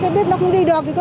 xe kia nó chạy bên kia